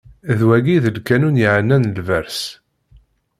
D wagi i d lqanun yeɛnan lberṣ.